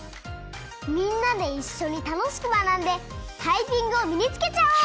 みんなでいっしょにたのしくまなんでタイピングをみにつけちゃおう！